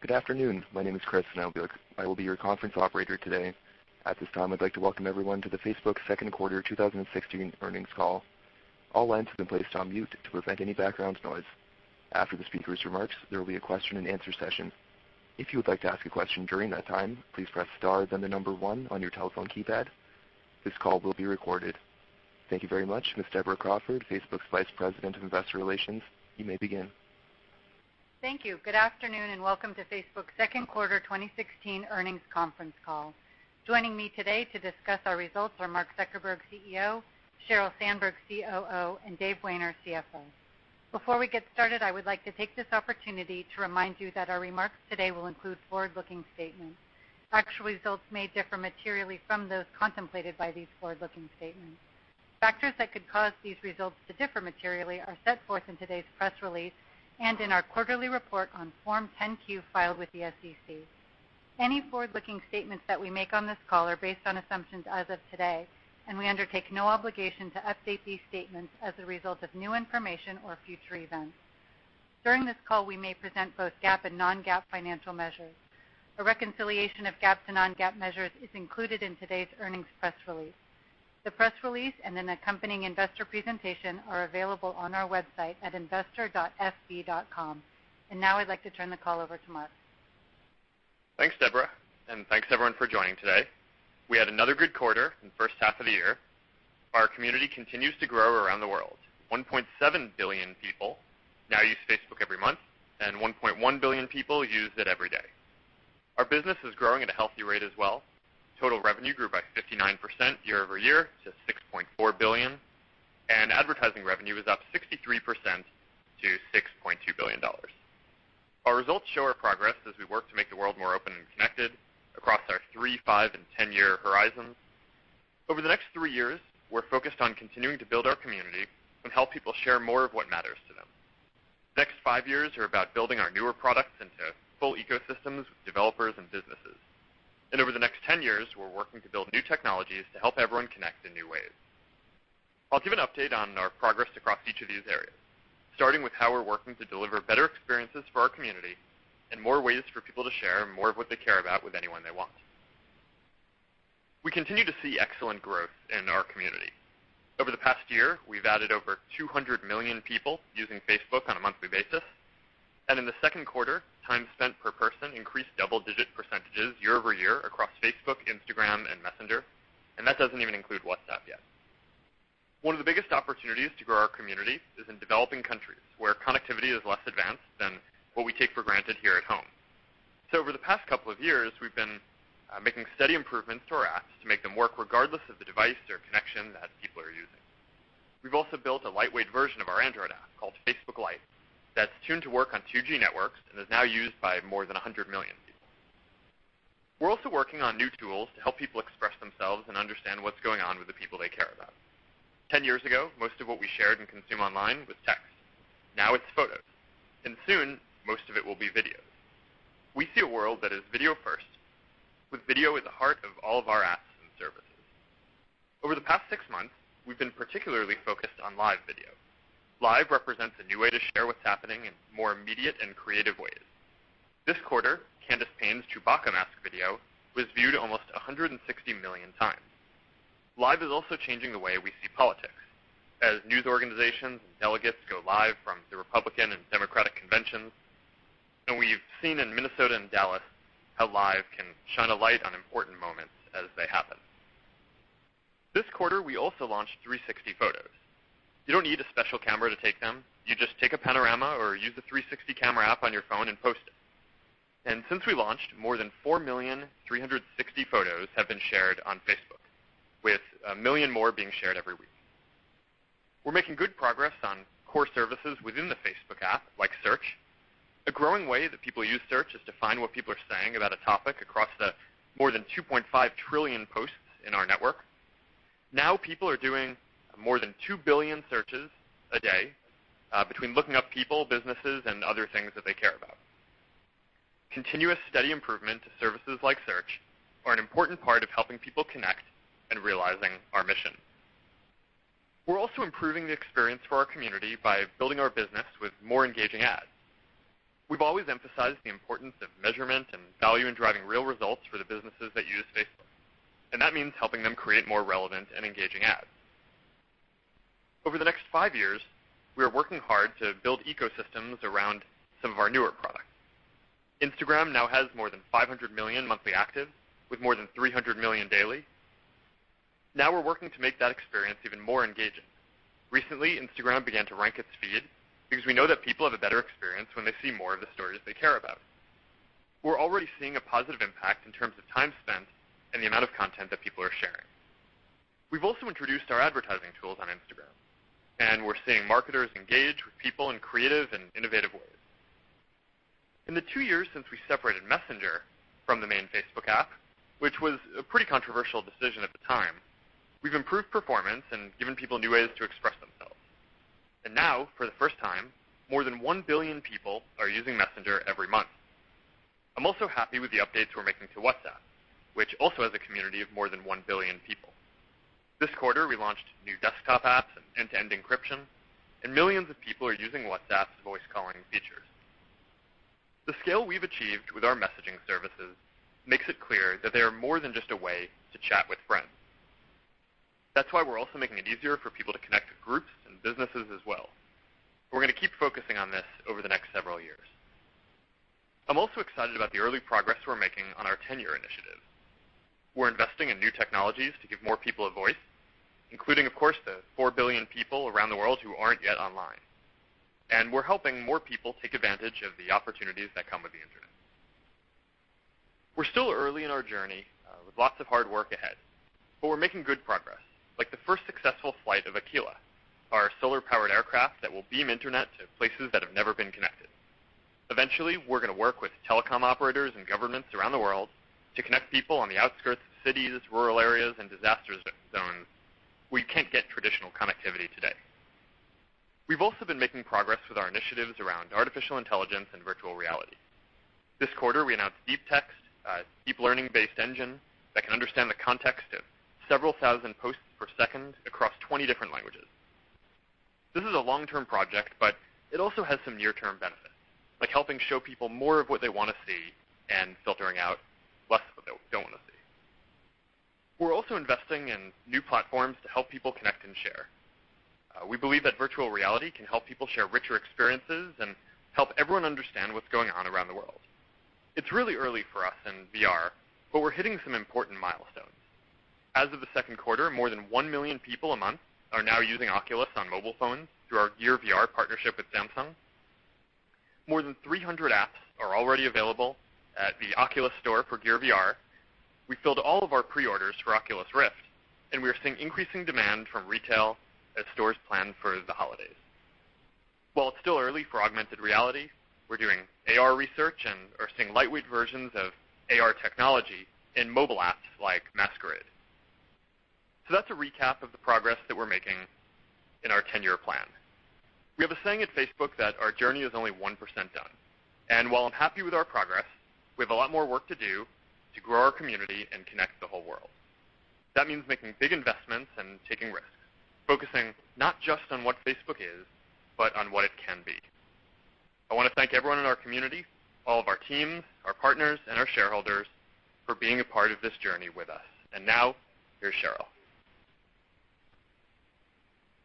Good afternoon. My name is Chris, and I will be your conference operator today. At this time, I'd like to welcome everyone to the Facebook second quarter 2016 earnings call. All lines have been placed on mute to prevent any background noise. After the speaker's remarks, there will be a question and answer session. If you would like to ask a question during that time, please press star then the number one on your telephone keypad. This call will be recorded. Thank you very much. Ms. Deborah Crawford, Facebook's Vice President of Investor Relations, you may begin. Thank you. Good afternoon, and welcome to Facebook's second quarter 2016 earnings conference call. Joining me today to discuss our results are Mark Zuckerberg, CEO; Sheryl Sandberg, COO; and Dave Wehner, CFO. Before we get started, I would like to take this opportunity to remind you that our remarks today will include forward-looking statements. Actual results may differ materially from those contemplated by these forward-looking statements. Factors that could cause these results to differ materially are set forth in today's press release and in our quarterly report on Form 10-Q filed with the SEC. Any forward-looking statements that we make on this call are based on assumptions as of today, and we undertake no obligation to update these statements as a result of new information or future events. During this call, we may present both GAAP and non-GAAP financial measures. A reconciliation of GAAP to non-GAAP measures is included in today's earnings press release. The press release and an accompanying investor presentation are available on our website at investor.fb.com. Now I'd like to turn the call over to Mark. Thanks, Deborah, and thanks everyone for joining today. We had another good quarter in the first half of the year. Our community continues to grow around the world. 1.7 billion people now use Facebook every month, and 1.1 billion people use it every day. Our business is growing at a healthy rate as well. Total revenue grew by 59% year-over-year to $6.4 billion, and advertising revenue is up 63% to $6.2 billion. Our results show our progress as we work to make the world more open and connected across our three, five, and 10-year horizons. Over the next three years, we're focused on continuing to build our community and help people share more of what matters to them. The next five years are about building our newer products into full ecosystems with developers and businesses. And over the next 10 years, we're working to build new technologies to help everyone connect in new ways. I'll give an update on our progress across each of these areas, starting with how we're working to deliver better experiences for our community and more ways for people to share more of what they care about with anyone they want. We continue to see excellent growth in our community. Over the past year, we've added over 200 million people using Facebook on a monthly basis. In the second quarter, time spent per person increased double-digit percentages year-over-year across Facebook, Instagram, and Messenger. That doesn't even include WhatsApp yet. One of the biggest opportunities to grow our community is in developing countries where connectivity is less advanced than what we take for granted here at home. Over the past couple of years, we've been making steady improvements to our apps to make them work regardless of the device or connection that people are using. We've also built a lightweight version of our Android app called Facebook Lite that's tuned to work on 2G networks and is now used by more than 100 million [people]. We're also working on new tools to help people express themselves and understand what's going on with the people they care about. 10 years ago, most of what we shared and consumed online was text. Now it's photos, and soon, most of it will be videos. We see a world that is video first, with video at the heart of all of our apps and services. Over the past six months, we've been particularly focused on live video. Live represents a new way to share what's happening in more immediate and creative ways. This quarter, Candace Payne's Chewbacca mask video was viewed almost 160 million times. Live is also changing the way we see politics, as news organizations and delegates go live from the Republican and Democratic conventions. We've seen in Minnesota and Dallas how Live can shine a light on important moments as they happen. This quarter, we also launched 360 photos. You don't need a special camera to take them. You just take a panorama or use the 360 camera app on your phone and post it. Since we launched, more than 4,000,360 photos have been shared on Facebook, with 1 million more being shared every week. We're making good progress on core services within the Facebook app, like Search. A growing way that people use Search is to find what people are saying about a topic across the more than 2.5 trillion posts in our network. People are doing more than 2 billion searches a day, between looking up people, businesses, and other things that they care about. Continuous steady improvement to services like Search are an important part of helping people connect and realizing our mission. We're also improving the experience for our community by building our business with more engaging ads. We've always emphasized the importance of measurement and value in driving real results for the businesses that use Facebook. That means helping them create more relevant and engaging ads. Over the next five years, we are working hard to build ecosystems around some of our newer products. Instagram now has more than 500 million monthly actives, with more than 300 million daily. We're working to make that experience even more engaging. Recently, Instagram began to rank its feed because we know that people have a better experience when they see more of the stories they care about. We're already seeing a positive impact in terms of time spent and the amount of content that people are sharing. We've also introduced our advertising tools on Instagram, and we're seeing marketers engage with people in creative and innovative ways. In the two years since we separated Messenger from the main Facebook app, which was a pretty controversial decision at the time, we've improved performance and given people new ways to express themselves. Now, for the first time, more than 1 billion people are using Messenger every month. I'm also happy with the updates we're making to WhatsApp, which also has a community of more than 1 billion people. This quarter, we launched new desktop apps and end-to-end encryption. Millions of people are using WhatsApp's voice calling features. The scale we've achieved with our messaging services makes it clear that they are more than just a way to chat with friends. That's why we're also making it easier for people to connect to groups and businesses as well. We're gonna keep focusing on this over the next several years. I'm also excited about the early progress we're making on our 10-year initiative. We're investing in new technologies to give more people a voice, including, of course, the 4 billion people around the world who aren't yet online, and we're helping more people take advantage of the opportunities that come with the internet. We're still early in our journey, with lots of hard work ahead, but we're making good progress, like the first successful flight of Aquila, our solar-powered aircraft that will beam internet to places that have never been connected. Eventually, we're gonna work with telecom operators and governments around the world to connect people on the outskirts of cities, rural areas, and disaster zones where we can't get traditional connectivity today. We've also been making progress with our initiatives around artificial intelligence and virtual reality. This quarter, we announced DeepText, a deep learning-based engine that can understand the context of several thousand posts per second across 20 different languages. This is a long-term project, but it also has some near-term benefits, like helping show people more of what they wanna see and filtering out less of what they don't wanna see. We're also investing in new platforms to help people connect and share. We believe that virtual reality can help people share richer experiences and help everyone understand what's going on around the world. It's really early for us in VR, but we're hitting some important milestones. As of the second quarter, more than 1 million people a month are now using Oculus on mobile phones through our Gear VR partnership with Samsung. More than 300 apps are already available at the Oculus store for Gear VR. We filled all of our pre-orders for Oculus Rift, and we are seeing increasing demand from retail as stores plan for the holidays. While it's still early for augmented reality, we're doing AR research and are seeing lightweight versions of AR technology in mobile apps like MSQRD. That's a recap of the progress that we're making in our 10-year plan. We have a saying at Facebook that our journey is only 1% done, and while I'm happy with our progress, we have a lot more work to do to grow our community and connect the whole world. That means making big investments and taking risks, focusing not just on what Facebook is, but on what it can be. I wanna thank everyone in our community, all of our teams, our partners, and our shareholders for being a part of this journey with us. And now, here's Sheryl.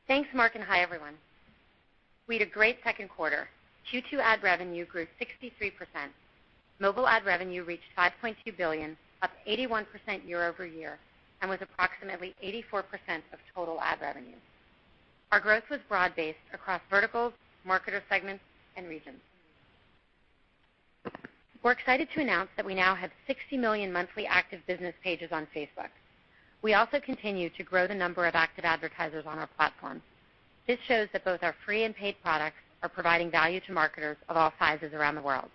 Thanks, Mark and hi, everyone. We had a great second quarter. Q2 ad revenue grew 63%. Mobile ad revenue reached $5.2 billion, up 81% year-over-year, and was approximately 84% of total ad revenue. Our growth was broad-based across verticals, marketer segments, and regions. We're excited to announce that we now have 60 million monthly active business pages on Facebook. We also continue to grow the number of active advertisers on our platform. This shows that both our free and paid products are providing value to marketers of all sizes around the world.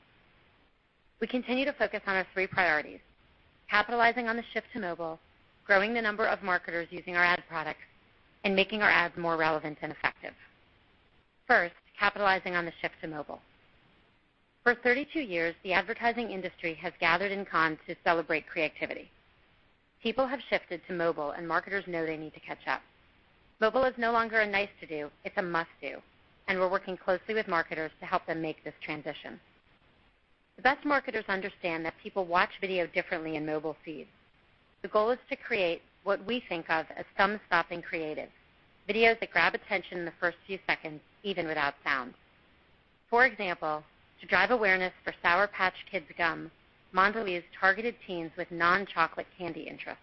We continue to focus on our three priorities: capitalizing on the shift to mobile, growing the number of marketers using our ad products, and making our ads more relevant and effective. First, capitalizing on the shift to mobile. For 32 years, the advertising industry has gathered in Cannes to celebrate creativity. People have shifted to mobile, and marketers know they need to catch up. Mobile is no longer a nice to do, it's a must do, and we're working closely with marketers to help them make this transition. The best marketers understand that people watch video differently in mobile feeds. The goal is to create what we think of as thumb-stopping creative, videos that grab attention in the first few seconds, even without sound. For example, to drive awareness for Sour Patch Kids gum, Mondelez targeted teens with non-chocolate candy interests.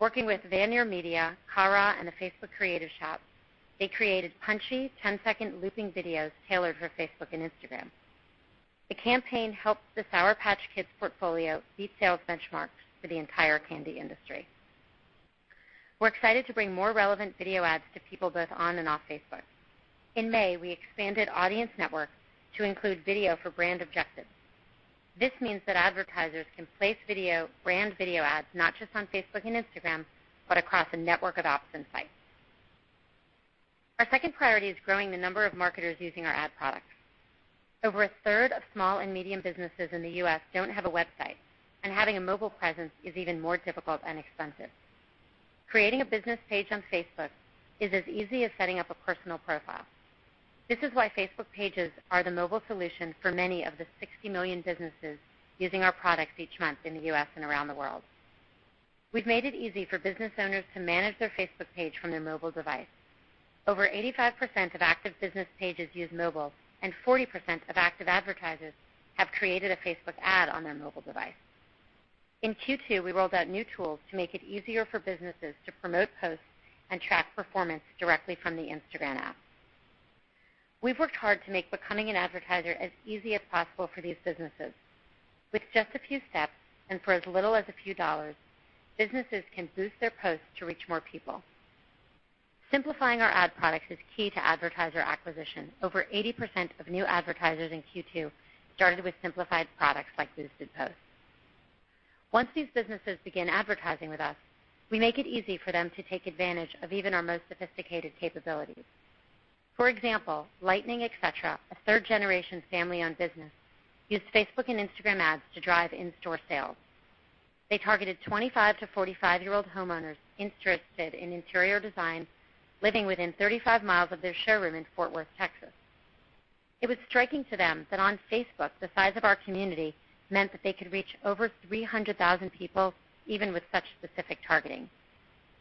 Working with VaynerMedia, Carat, and the Facebook Creative Shop, they created punchy 10-second looping videos tailored for Facebook and Instagram. The campaign helped the Sour Patch Kids portfolio beat sales benchmarks for the entire candy industry. We're excited to bring more relevant video ads to people both on and off Facebook. In May, we expanded Audience Network to include video for brand objectives. This means that advertisers can place brand video ads not just on Facebook and Instagram, but across a network of apps and sites. Our second priority is growing the number of marketers using our ad products. Over 1/3 of small and medium businesses in the U.S. don't have a website, and having a mobile presence is even more difficult and expensive. Creating a business page on Facebook is as easy as setting up a personal profile. This is why Facebook pages are the mobile solution for many of the 60 million businesses using our products each month in the U.S. and around the world. We've made it easy for business owners to manage their Facebook page from their mobile device. Over 85% of active business pages use mobile, and 40% of active advertisers have created a Facebook ad on their mobile device. In Q2, we rolled out new tools to make it easier for businesses to promote posts and track performance directly from the Instagram app. We've worked hard to make becoming an advertiser as easy as possible for these businesses. With just a few steps, and for as little as a few dollars, businesses can boost their posts to reach more people. Simplifying our ad products is key to advertiser acquisition. Over 80% of new advertisers in Q2 started with simplified products like boosted posts. Once these businesses begin advertising with us, we make it easy for them to take advantage of even our most sophisticated capabilities. For example, Lighting Etc., a third-generation family-owned business, used Facebook and Instagram ads to drive in-store sales. They targeted 25-45-year-old homeowners interested in interior design living within 35 miles of their showroom in Fort Worth, Texas. It was striking to them that on Facebook, the size of our community meant that they could reach over 300,000 people even with such specific targeting.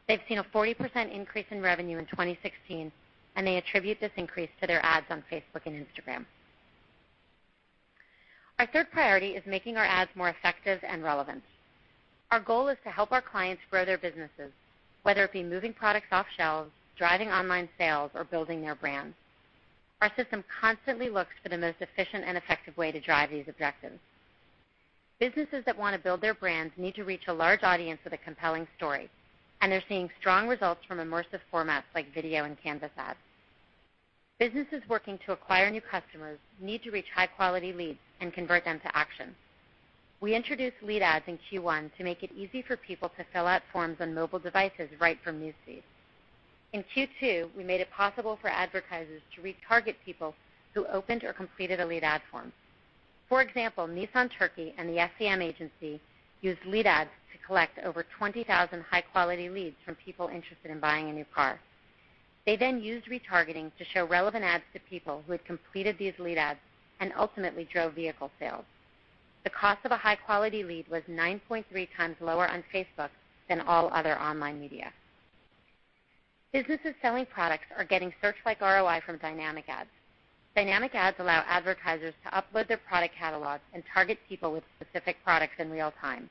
They've seen a 40% increase in revenue in 2016, and they attribute this increase to their ads on Facebook and Instagram. Our third priority is making our ads more effective and relevant. Our goal is to help our clients grow their businesses, whether it be moving products off shelves, driving online sales, or building their brands. Our system constantly looks for the most efficient and effective way to drive these objectives. Businesses that want to build their brands need to reach a large audience with a compelling story. They're seeing strong results from immersive formats like video and Canvas ads. Businesses working to acquire new customers need to reach high-quality leads and convert them to action. We introduced lead ads in Q1 to make it easy for people to fill out forms on mobile devices right from News Feed. In Q2, we made it possible for advertisers to retarget people who opened or completed a lead ad form. For example, Nissan Turkey and the SEM agency used lead ads to collect over 20,000 high-quality leads from people interested in buying a new car. They used retargeting to show relevant ads to people who had completed these lead ads and ultimately drove vehicle sales. The cost of a high-quality lead was 9.3x lower on Facebook than all other online media. Businesses selling products are getting search-like ROI from dynamic ads. Dynamic ads allow advertisers to upload their product catalogs and target people with specific products in real time.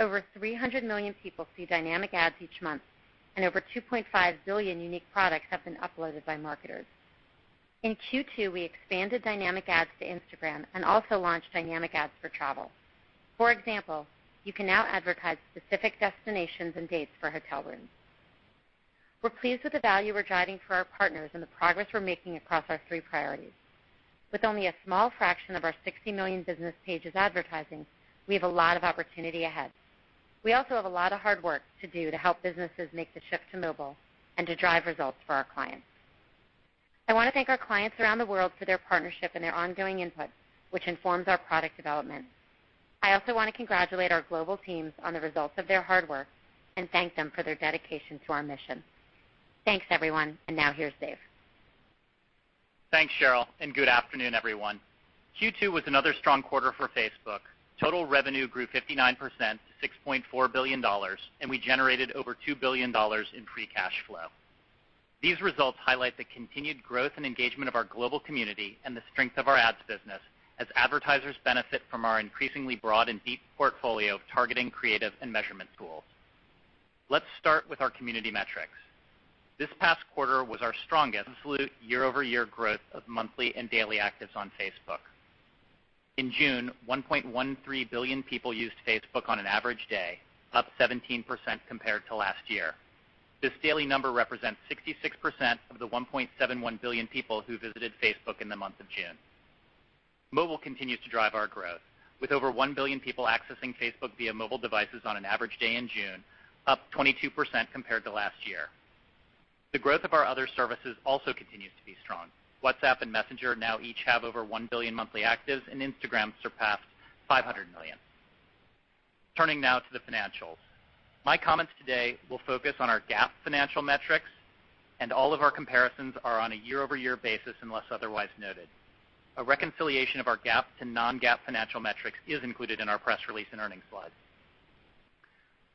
Over 300 million people see dynamic ads each month, and over 2.5 billion unique products have been uploaded by marketers. In Q2, we expanded dynamic ads to Instagram and also launched dynamic ads for travel. For example, you can now advertise specific destinations and dates for hotel rooms. We're pleased with the value we're driving for our partners and the progress we're making across our three priorities. With only a small fraction of our 60 million business pages advertising, we have a lot of opportunity ahead. We also have a lot of hard work to do to help businesses make the shift to mobile and to drive results for our clients. I wanna thank our clients around the world for their partnership and their ongoing input, which informs our product development. I also wanna congratulate our global teams on the results of their hard work and thank them for their dedication to our mission. Thanks, everyone, and now here's Dave. Thanks, Sheryl, good afternoon, everyone. Q2 was another strong quarter for Facebook. Total revenue grew 59% to $6.4 billion, and we generated over $2 billion in free cash flow. These results highlight the continued growth and engagement of our global community and the strength of our ads business as advertisers benefit from our increasingly broad and deep portfolio of targeting, creative, and measurement tools. Let's start with our community metrics. This past quarter was our strongest absolute year-over-year growth of monthly and daily actives on Facebook. In June, 1.13 billion people used Facebook on an average day, up 17% compared to last year. This daily number represents 66% of the 1.71 billion people who visited Facebook in the month of June. Mobile continues to drive our growth, with over 1 billion people accessing Facebook via mobile devices on an average day in June, up 22% compared to last year. The growth of our other services also continues to be strong. WhatsApp and Messenger now each have over 1 billion monthly actives, and Instagram surpassed 500 million. Turning now to the financials. My comments today will focus on our GAAP financial metrics, and all of our comparisons are on a year-over-year basis unless otherwise noted. A reconciliation of our GAAP to non-GAAP financial metrics is included in our press release and earnings slides.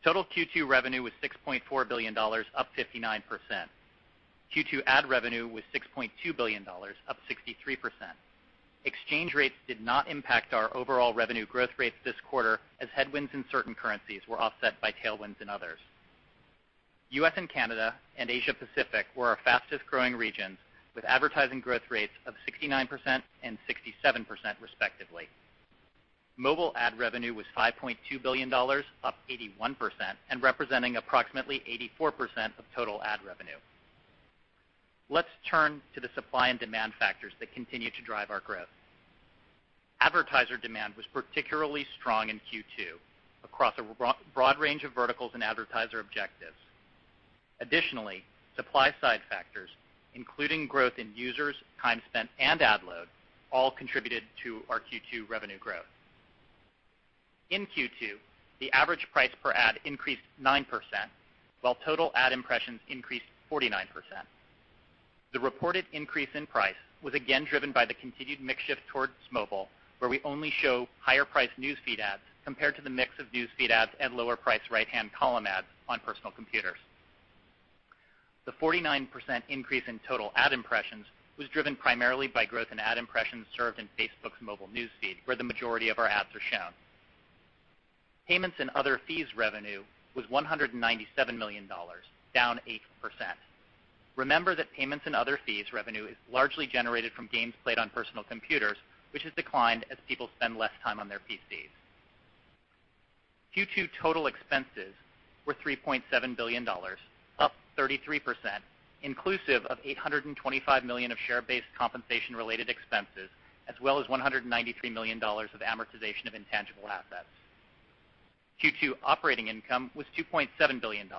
Total Q2 revenue was $6.4 billion, up 59%. Q2 ad revenue was $6.2 billion, up 63%. Exchange rates did not impact our overall revenue growth rates this quarter, as headwinds in certain currencies were offset by tailwinds in others. U.S. and Canada and Asia Pacific were our fastest-growing regions, with advertising growth rates of 69% and 67% respectively. Mobile ad revenue was $5.2 billion, up 81%, and representing approximately 84% of total ad revenue. Let's turn to the supply and demand factors that continue to drive our growth. Advertiser demand was particularly strong in Q2 across a broad range of verticals and advertiser objectives. Additionally, supply-side factors, including growth in users, time spent, and ad load, all contributed to our Q2 revenue growth. In Q2, the average price per ad increased 9%, while total ad impressions increased 49%. The reported increase in price was again driven by the continued mix shift towards mobile, where we only show higher-priced News Feed ads compared to the mix of News Feed ads and lower-priced right-hand column ads on personal computers. The 49% increase in total ad impressions was driven primarily by growth in ad impressions served in Facebook's mobile News Feed, where the majority of our ads are shown. Payments and other fees revenue was $197 million, down 8%. Remember that payments and other fees revenue is largely generated from games played on personal computers, which has declined as people spend less time on their PCs. Q2 total expenses were $3.7 billion, up 33%, inclusive of $825 million of share-based compensation related expenses, as well as $193 million of amortization of intangible assets. Q2 operating income was $2.7 billion,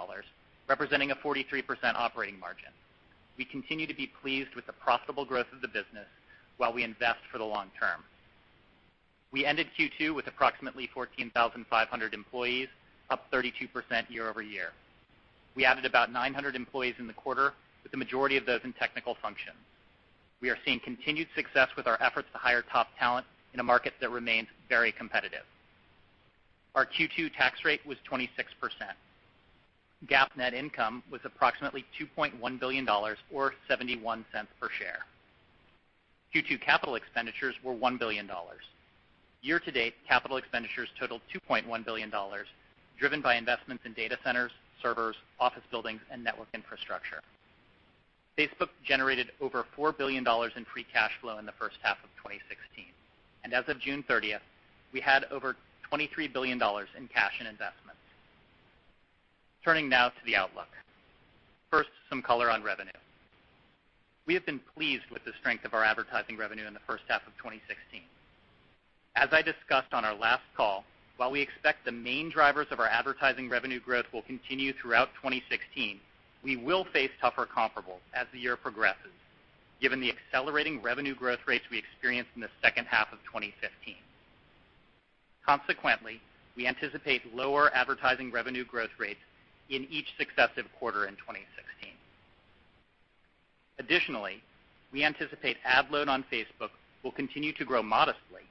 representing a 43% operating margin. We continue to be pleased with the profitable growth of the business while we invest for the long term. We ended Q2 with approximately 14,500 employees, up 32% year-over-year. We added about 900 employees in the quarter, with the majority of those in technical functions. We are seeing continued success with our efforts to hire top talent in a market that remains very competitive. Our Q2 tax rate was 26%. GAAP net income was approximately $2.1 billion or $0.71 per share. Q2 CapEx were $1 billion. Year-to-date CapEx totaled $2.1 billion, driven by investments in data centers, servers, office buildings, and network infrastructure. Facebook generated over $4 billion in free cash flow in the first half of 2016. As of June 30th, we had over $23 billion in cash and investments. Turning now to the outlook. First, some color on revenue. We have been pleased with the strength of our advertising revenue in the first half of 2016. As I discussed on our last call, while we expect the main drivers of our advertising revenue growth will continue throughout 2016, we will face tougher comparable as the year progresses given the accelerating revenue growth rates we experienced in the second half of 2015. Consequently, we anticipate lower advertising revenue growth rates in each successive quarter in 2016. Additionally, we anticipate ad load on Facebook will continue to grow modestly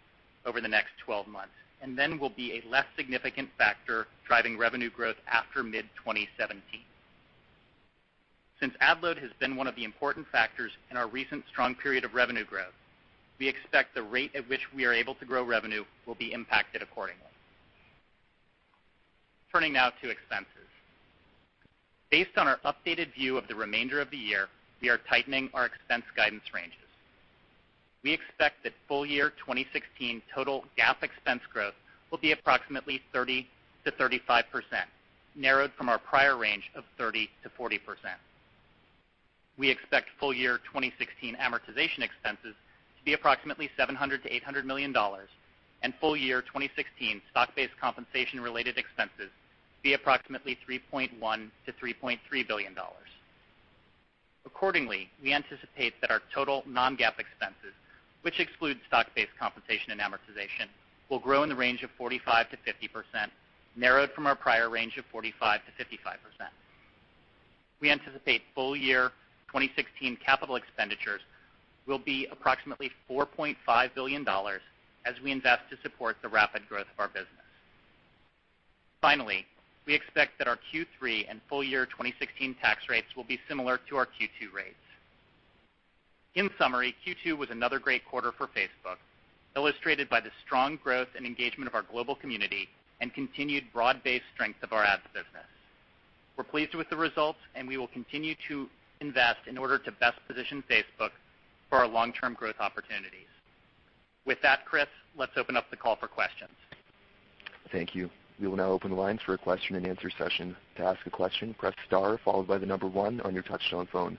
over the next 12 months and then will be a less significant factor driving revenue growth after mid-2017. Since ad load has been one of the important factors in our recent strong period of revenue growth, we expect the rate at which we are able to grow revenue will be impacted accordingly. Turning now to expenses. Based on our updated view of the remainder of the year, we are tightening our expense guidance ranges. We expect that full year 2016 total GAAP expense growth will be approximately 30%-35%, narrowed from our prior range of 30%-40%. We expect full year 2016 amortization expenses to be approximately $700 million-$800 million and full year 2016 stock-based compensation related expenses to be approximately $3.1 billion-$3.3 billion. Accordingly, we anticipate that our total non-GAAP expenses, which excludes stock-based compensation and amortization, will grow in the range of 45%-50%, narrowed from our prior range of 45%-55%. We anticipate full year 2016 CapEx will be approximately $4.5 billion as we invest to support the rapid growth of our business. Finally, we expect that our Q3 and full year 2016 tax rates will be similar to our Q2 rates. In summary, Q2 was another great quarter for Facebook, illustrated by the strong growth and engagement of our global community and continued broad-based strength of our ads business. We're pleased with the results, and we will continue to invest in order to best position Facebook for our long-term growth opportunities. With that, Chris, let's open up the call for questions. Thank you. We will now open the lines for a question-and-answer session. To ask a question, press star followed by the number one on your touch-tone phone.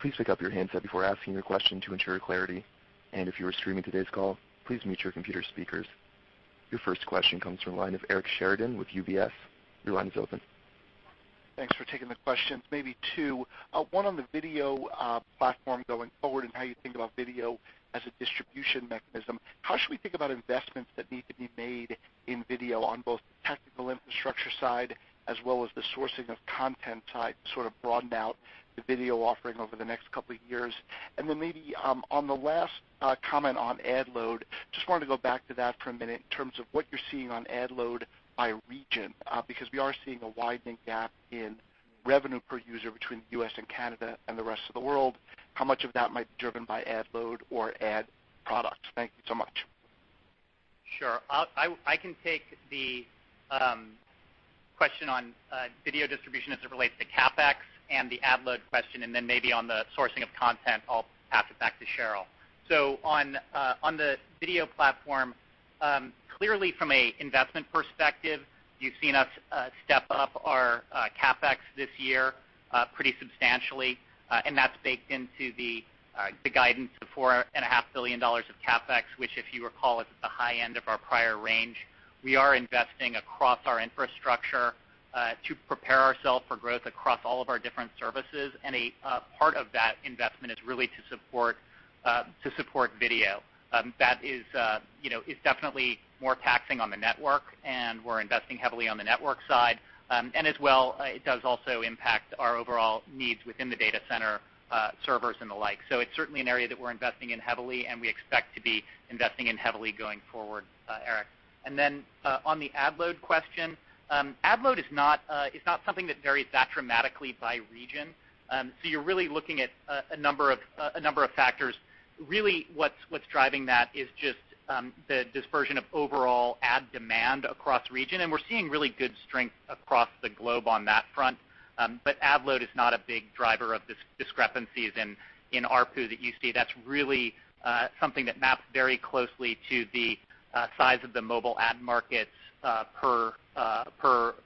Please pick up your handset before asking your question to ensure clarity. If you are streaming today's call, please mute your computer speakers. Your first question comes from the line of Eric Sheridan with UBS. Your line is open. Thanks for taking the questions. Maybe two. One on the video platform going forward and how you think about video as a distribution mechanism. How should we think about investments that need to be made in video on both the technical infrastructure side as well as the sourcing of content side to sort of broaden out the video offering over the next couple years? Maybe on the last comment on ad load, just wanted to go back to that for a minute in terms of what you're seeing on ad load by region, because we are seeing a widening gap in revenue per user between the U.S. and Canada and the rest of the world. How much of that might be driven by ad load or ad products? Thank you so much. Sure. I can take the question on video distribution as it relates to CapEx and the ad load question, and then maybe on the sourcing of content, I'll pass it back to Sheryl. On the video platform, clearly from an investment perspective, you've seen us step up our CapEx this year pretty substantially, and that's baked into the guidance of $4.5 billion of CapEx, which if you recall is at the high end of our prior range. We are investing across our infrastructure to prepare ourselves for growth across all of our different services. A part of that investment is really to support video. That is, you know, is definitely more taxing on the network, and we're investing heavily on the network side. As well, it does also impact our overall needs within the data center, servers and the like. It's certainly an area that we're investing in heavily, and we expect to be investing in heavily going forward, Eric. On the ad load question, ad load is not, is not something that varies that dramatically by region. You're really looking at a number of factors. Really what's driving that is just the dispersion of overall ad demand across region, and we're seeing really good strength across the globe on that front. Ad load is not a big driver of this discrepancies in ARPU that you see. That's really something that maps very closely to the size of the mobile ad markets, per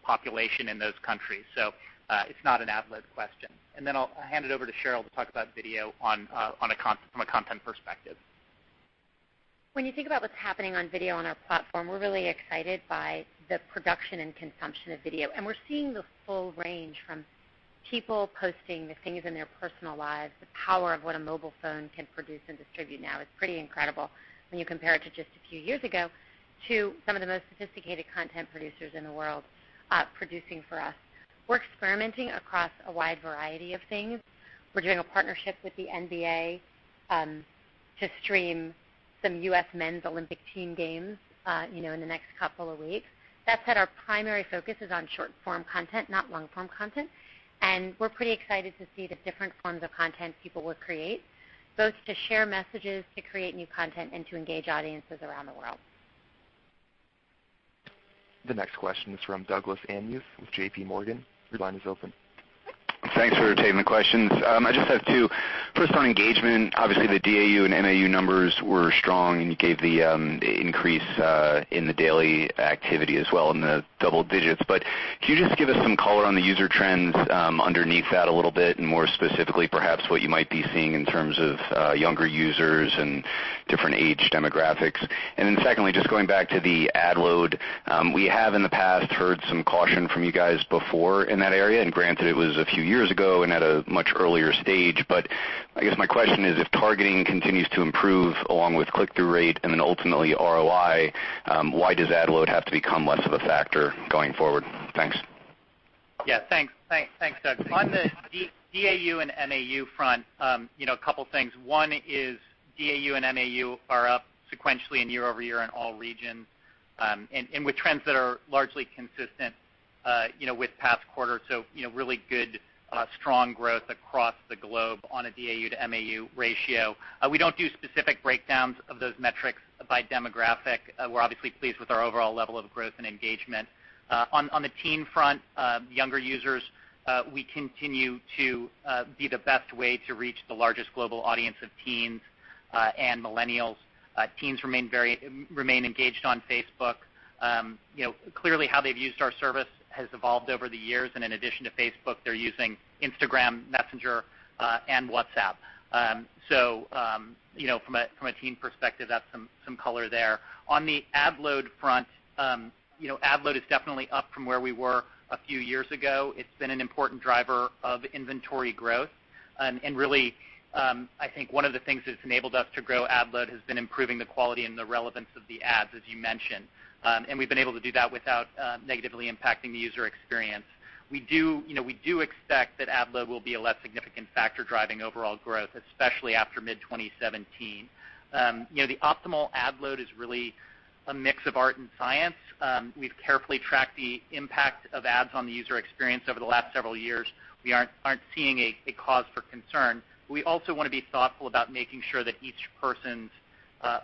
population in those countries. It's not an ad load question. I'll hand it over to Sheryl to talk about video on a content perspective. When you think about what's happening on video on our platform, we're really excited by the production and consumption of video. We're seeing the full range from people posting the things in their personal lives, the power of what a mobile phone can produce and distribute now is pretty incredible when you compare it to just a few years ago, to some of the most sophisticated content producers in the world, producing for us. We're experimenting across a wide variety of things. We're doing a partnership with the NBA, to stream some U.S. Men's Olympic team games, you know, in the next couple of weeks. That said, our primary focus is on short-form content, not long-form content. We're pretty excited to see the different forms of content people will create, both to share messages, to create new content, and to engage audiences around the world. The next question is from Douglas Anmuth with JPMorgan. Your line is open. Thanks for taking the questions. I just have two. First, on engagement, obviously, the DAU and MAU numbers were strong, and you gave the increase in the daily activity as well in the double-digits. Can you just give us some color on the user trends underneath that a little bit, and more specifically, perhaps what you might be seeing in terms of younger users and different age demographics? Secondly, just going back to the ad load, we have in the past heard some caution from you guys before in that area, and granted it was a few years ago and at a much earlier stage. I guess my question is, if targeting continues to improve along with click-through rate and then ultimately ROI, why does ad load have to become less of a factor going forward? Thanks. Yeah, thanks. Thanks. Thanks, Doug. On the DAU and MAU front, you know, a couple things. One is DAU and MAU are up sequentially and year-over-year in all regions, and with trends that are largely consistent, you know, with past quarters. You know, really good, strong growth across the globe on a DAU to MAU ratio. We don't do specific breakdowns of those metrics by demographic. We're obviously pleased with our overall level of growth and engagement. On the teen front, younger users, we continue to be the best way to reach the largest global audience of teens and millennials. Teens remain very, remain engaged on Facebook. You know, clearly how they've used our service has evolved over the years, and in addition to Facebook, they're using Instagram, Messenger, and WhatsApp. You know, from a teen perspective, that's some color there. On the ad load front, you know, ad load is definitely up from where we were a few years ago. It's been an important driver of inventory growth. And really, I think one of the things that's enabled us to grow ad load has been improving the quality and the relevance of the ads, as you mentioned. And we've been able to do that without negatively impacting the user experience. We do, you know, we do expect that ad load will be a less significant factor driving overall growth, especially after mid-2017. You know, the optimal ad load is really a mix of art and science. We've carefully tracked the impact of ads on the user experience over the last several years. We aren't seeing a cause for concern. We also wanna be thoughtful about making sure that each person's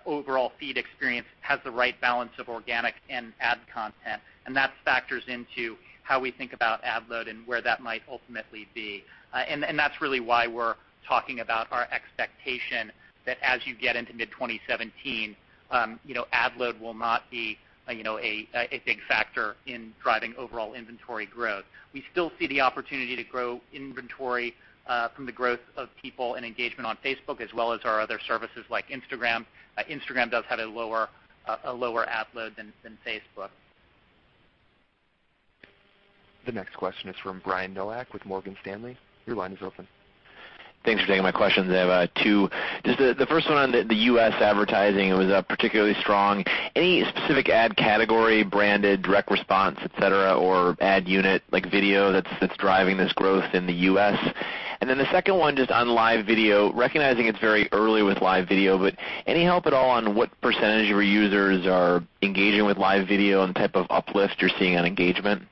overall feed experience has the right balance of organic and ad content, and that factors into how we think about ad load and where that might ultimately be. That's really why we're talking about our expectation that as you get into mid 2017, you know, ad load will not be a big factor in driving overall inventory growth. We still see the opportunity to grow inventory from the growth of people and engagement on Facebook, as well as our other services like Instagram. Instagram does have a lower, a lower ad load than Facebook. The next question is from Brian Nowak with Morgan Stanley. Your line is open. Thanks for taking my questions. I have two. The first one on the U.S. advertising was particularly strong. Any specific ad category, branded, direct response, et cetera, or ad unit like video that's driving this growth in the U.S.? And the second one, just on live video, recognizing it's very early with live video, but any help at all on what percentage of your users are engaging with live video and the type of uplift you're seeing on engagement?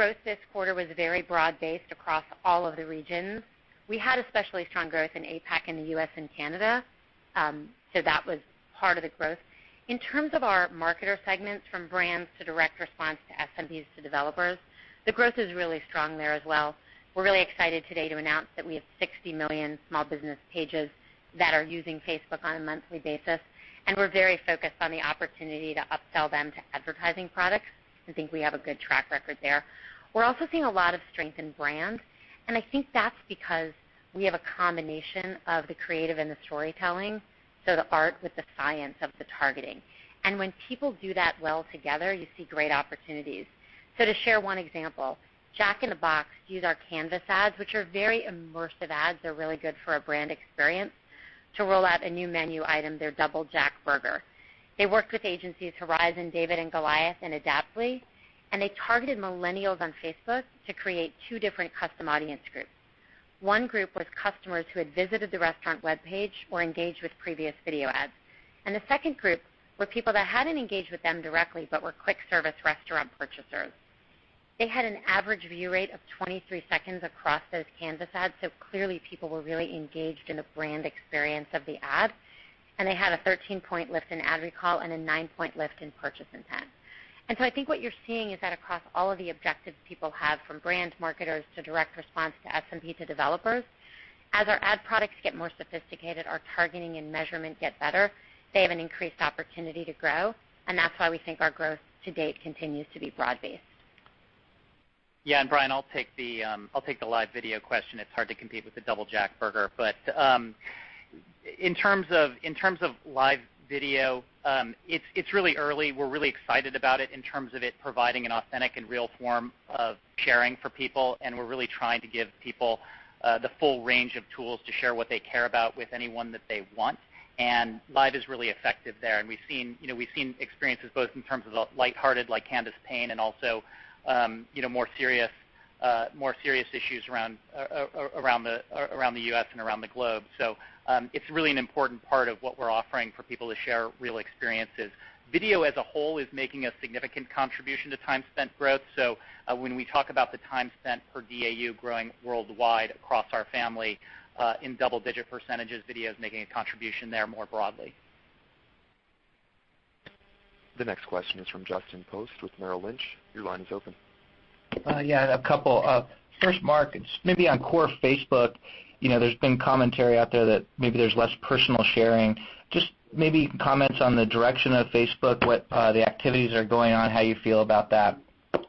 Thanks. Our growth this quarter was very broad-based across all of the regions. We had especially strong growth in APAC, in the U.S., and Canada, so that was part of the growth. In terms of our marketer segments from brands to direct response to SMBs to developers, the growth is really strong there as well. We're really excited today to announce that we have 60 million small business pages that are using Facebook on a monthly basis, and we're very focused on the opportunity to upsell them to advertising products, and think we have a good track record there. We're also seeing a lot of strength in brands, and I think that's because we have a combination of the creative and the storytelling, so the art with the science of the targeting. When people do that well together, you see great opportunities. To share one example, Jack in the Box used our Canvas ads, which are very immersive ads, they're really good for a brand experience, to roll out a new menu item, their Double Jack burger. They worked with agencies Horizon, David&Goliath, and Adaptly, and they targeted millennials on Facebook to create two different custom audience groups. One group was customers who had visited the restaurant webpage or engaged with previous video ads, and the second group were people that hadn't engaged with them directly but were quick service restaurant purchasers. They had an average view rate of 23 seconds across those Canvas ads, so clearly people were really engaged in the brand experience of the ad, and they had a 13-point lift in ad recall and a nine-point lift in purchase intent. I think what you're seeing is that across all of the objectives people have, from brand marketers to direct response to SMB to developers, as our ad products get more sophisticated, our targeting and measurement get better, they have an increased opportunity to grow, and that's why we think our growth to date continues to be broad-based. And Brian, I'll take the live video question. It's hard to compete with the Double Jack burger. In terms of live video, it's really early. We're really excited about it in terms of it providing an authentic and real form of sharing for people, and we're really trying to give people the full range of tools to share what they care about with anyone that they want. Live is really effective there, and we've seen, you know, we've seen experiences both in terms of the light-hearted, like Candace Payne, and also, you know, more serious issues around the U.S. and around the globe. It's really an important part of what we're offering for people to share real experiences. Video as a whole is making a significant contribution to time spent growth. When we talk about the time spent per DAU growing worldwide across our family, in double-digit percentages, video is making a contribution there more broadly. The next question is from Justin Post with Merrill Lynch. Your line is open. Yeah, a couple. First, Mark, maybe on core Facebook, you know, there's been commentary out there that maybe there's less personal sharing. Just maybe comments on the direction of Facebook, what the activities are going on, how you feel about that.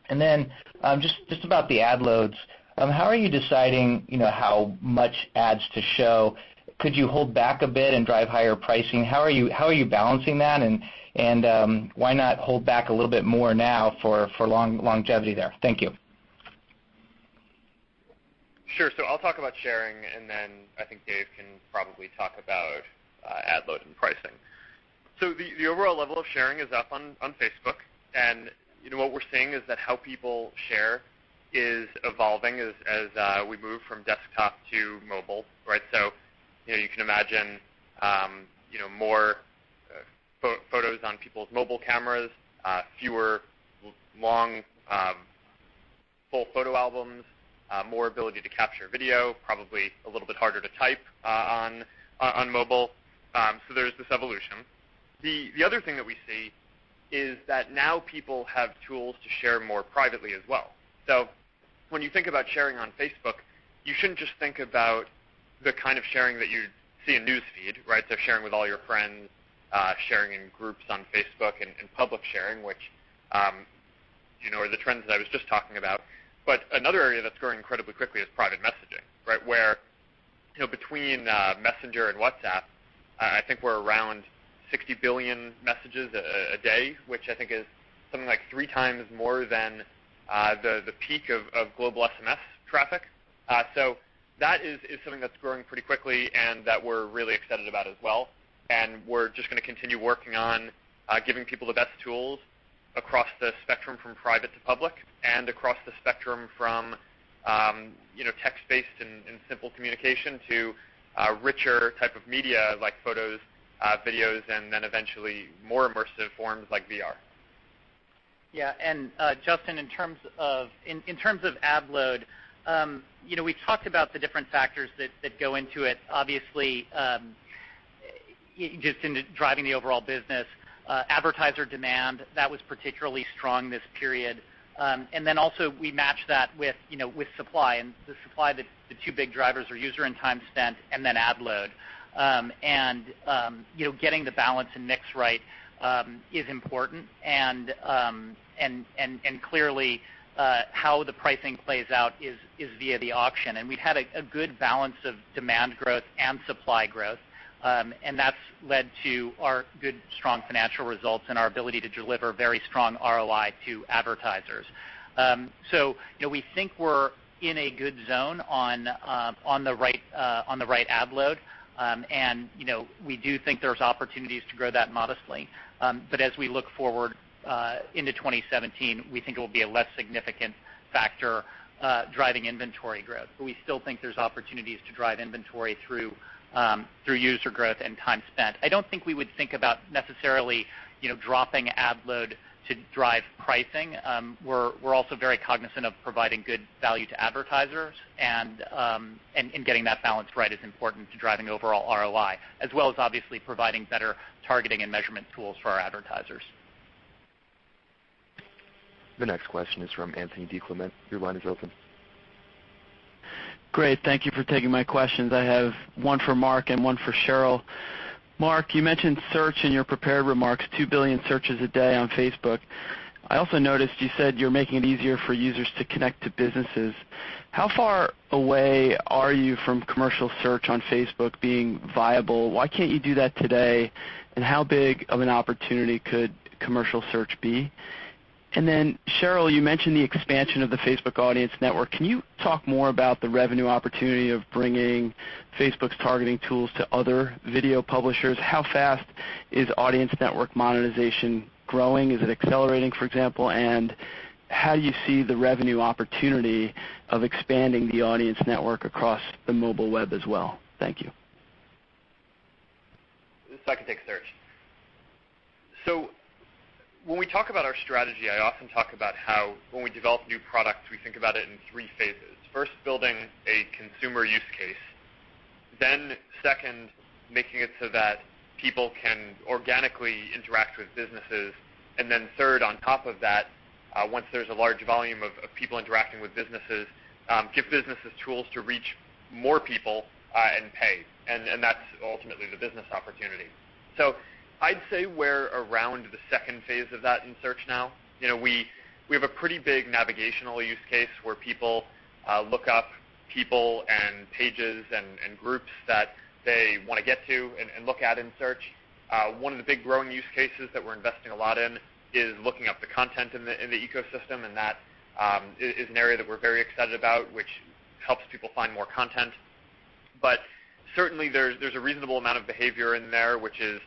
Then, just about the ad loads, how are you deciding, you know, how much ads to show? Could you hold back a bit and drive higher pricing? How are you balancing that, and why not hold back a little bit more now for long-longevity there? Thank you. Sure. I'll talk about sharing, and then I think Dave can probably talk about ad load and pricing. The overall level of sharing is up on Facebook. You know, what we're seeing is that how people share is evolving as we move from desktop to mobile, right? You know, you can imagine, you know, more photos on people's mobile cameras, fewer long, full photo albums, more ability to capture video, probably a little bit harder to type on mobile. There's this evolution. The other thing that we see is that now people have tools to share more privately as well. When you think about sharing on Facebook, you shouldn't just think about the kind of sharing that you see in News Feed, right? Sharing with all your friends, sharing in groups on Facebook and public sharing, which, you know, are the trends that I was just talking about. Another area that's growing incredibly quickly is private messaging, right? Where, you know, between Messenger and WhatsApp, I think we're around 60 billion messages a day, which I think is something like 3x more than the peak of global SMS traffic. That is something that's growing pretty quickly and that we're really excited about as well, and we're just gonna continue working on giving people the best tools across the spectrum from private to public and across the spectrum from, you know, text-based and simple communication to richer type of media like photos, videos, and then eventually more immersive forms like VR. Justin, in terms of ad load, you know, we talked about the different factors that go into it. Obviously, just in driving the overall business, advertiser demand, that was particularly strong this period. Also we match that with, you know, with supply. The supply, the two big drivers are user and time spent and then ad load. You know, getting the balance and mix right is important. Clearly, how the pricing plays out is via the auction. We've had a good balance of demand growth and supply growth. That's led to our good strong financial results and our ability to deliver very strong ROI to advertisers. You know, we think we're in a good zone on the right ad load. You know, we do think there's opportunities to grow that modestly. As we look forward into 2017, we think it will be a less significant factor driving inventory growth. We still think there's opportunities to drive inventory through user growth and time spent. I don't think we would think about necessarily, you know, dropping ad load to drive pricing. We're also very cognizant of providing good value to advertisers and getting that balance right is important to driving overall ROI, as well as obviously providing better targeting and measurement tools for our advertisers. The next question is from Anthony DiClemente. Your line is open. Great. Thank you for taking my questions. I have one for Mark and one for Sheryl. Mark, you mentioned search in your prepared remarks, 2 billion searches a day on Facebook. I also noticed you said you're making it easier for users to connect to businesses. How far away are you from commercial search on Facebook being viable? Why can't you do that today? How big of an opportunity could commercial search be? Sheryl, you mentioned the expansion of the Facebook Audience Network. Can you talk more about the revenue opportunity of bringing Facebook's targeting tools to other video publishers? How fast is Audience Network monetization growing? Is it accelerating, for example? How do you see the revenue opportunity of expanding the Audience Network across the mobile web as well? Thank you. I can take search. When we talk about our strategy, I often talk about how when we develop new products, we think about it in three phases. First, building a consumer use case. Second, making it so that people can organically interact with businesses. Third on top of that, once there's a large volume of people interacting with businesses, give businesses tools to reach more people and pay. That's ultimately the business opportunity. I'd say we're around the second phase of that in search now. You know, we have a pretty big navigational use case where people look up people and pages and groups that they wanna get to and look at in search. One of the big growing use cases that we're investing a lot in is looking up the content in the ecosystem, and that is an area that we're very excited about, which helps people find more content. Certainly there's a reasonable amount of behavior in there which is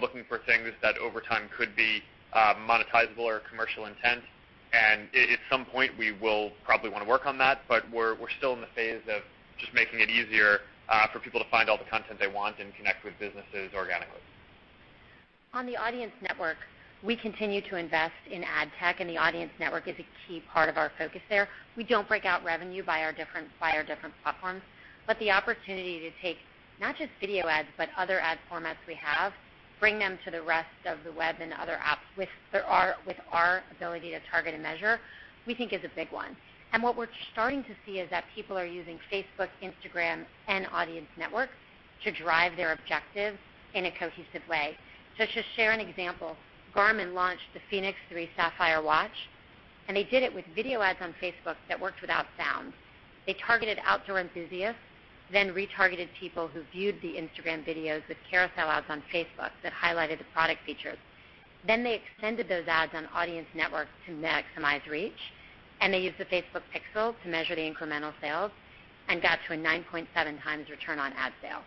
looking for things that over time could be monetizable or commercial intent. At some point we will probably wanna work on that. We're still in the phase of just making it easier for people to find all the content they want and connect with businesses organically. On the Audience Network, we continue to invest in ad tech. The Audience Network is a key part of our focus there. We don't break out revenue by our different platforms. The opportunity to take not just video ads, but other ad formats we have, bring them to the rest of the web and other apps with our ability to target and measure, we think is a big one. What we're starting to see is that people are using Facebook, Instagram and Audience Network to drive their objectives in a cohesive way. To share an example, Garmin launched the fēnix 3 Sapphire watch, and they did it with video ads on Facebook that worked without sound. They targeted outdoor enthusiasts, retargeted people who viewed the Instagram videos with carousel ads on Facebook that highlighted the product features. They extended those ads on Audience Network to maximize reach, and they used the Facebook Pixel to measure the incremental sales and got to a 9.7x return on ad sale.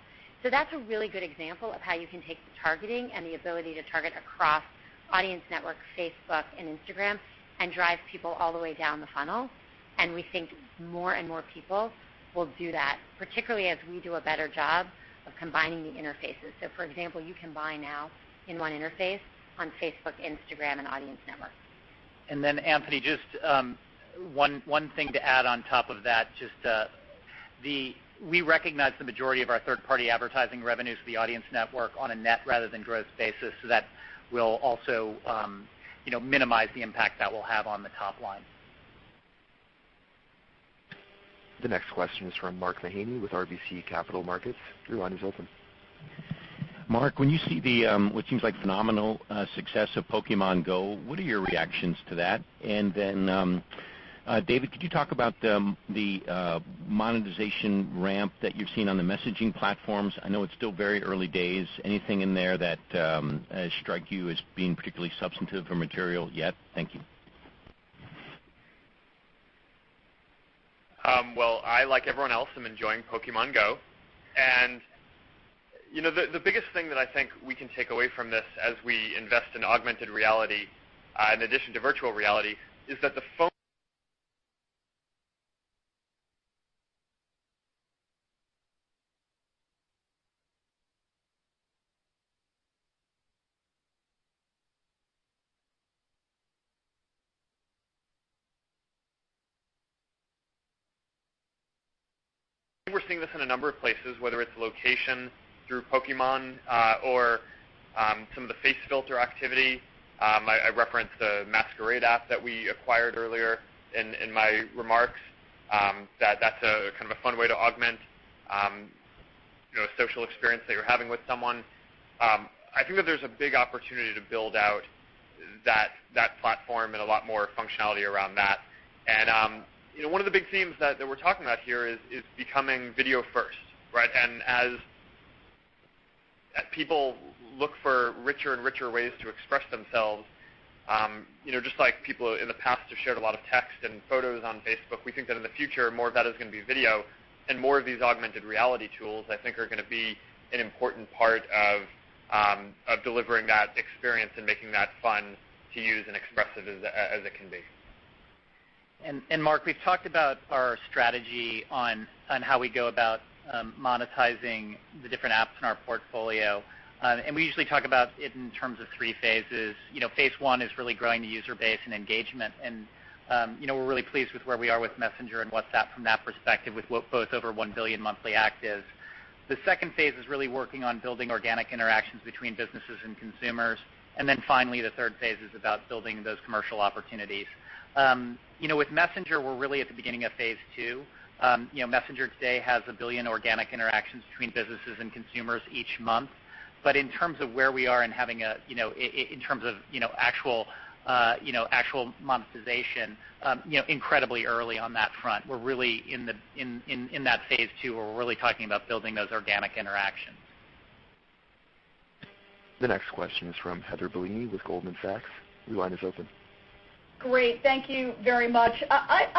That's a really good example of how you can take the targeting and the ability to target across Audience Network, Facebook and Instagram and drive people all the way down the funnel, and we think more and more people will do that, particularly as we do a better job of combining the interfaces. For example, you can buy now in one interface on Facebook, Instagram and Audience Network. Anthony, just one thing to add on top of that. We recognize the majority of our third-party advertising revenue is the Audience Network on a net rather than gross basis. That will also, you know, minimize the impact that will have on the top line. The next question is from Mark Mahaney with RBC Capital Markets. Your line is open. Mark, when you see the, what seems like phenomenal, success of Pokémon GO, what are your reactions to that? Dave, could you talk about the monetization ramp that you've seen on the messaging platforms? I know it's still very early days. Anything in there that strike you as being particularly substantive or material yet? Thank you. Well, I, like everyone else, am enjoying Pokémon GO. You know, the biggest thing that I think we can take away from this as we invest in augmented reality, in addition to virtual reality, is that the [phone]. We're seeing this in a number of places, whether it's location through Pokémon, or some of the face filter activity. I referenced the MSQRD app that we acquired earlier in my remarks. That's a, kind of a fun way to augment, you know, a social experience that you're having with someone. I think that there's a big opportunity to build out that platform and a lot more functionality around that. You know, one of the big themes that we're talking about here is becoming video first, right? As people look for richer and richer ways to express themselves, you know, just like people in the past have shared a lot of text and photos on Facebook, we think that in the future more of that is gonna be video. More of these augmented reality tools, I think, are gonna be an important part of delivering that experience and making that fun to use and expressive as it can be. Mark, we've talked about our strategy on how we go about monetizing the different apps in our portfolio. We usually talk about it in terms of three phases. You know, phase I is really growing the user base and engagement. You know, we're really pleased with where we are with Messenger and WhatsApp from that perspective with both over 1 billion monthly actives. The second phase is really working on building organic interactions between businesses and consumers. Finally, the third phase is about building those commercial opportunities. You know, with Messenger, we're really at the beginning of phase II. You know, Messenger today has 1 billion organic interactions between businesses and consumers each month. In terms of where we are in having a, you know, in terms of, you know, actual, you know, actual monetization, you know, incredibly early on that front. We're really in that phase II where we're really talking about building those organic interactions. The next question is from Heather Bellini with Goldman Sachs. Your line is open. Great. Thank you very much. I